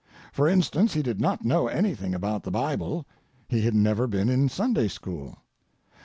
For instance, he did not know anything about the Bible. He had never been in Sunday school.